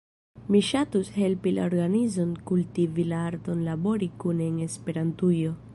Mi ŝatus helpi la organizon kultivi la arton labori kune en Esperantujo.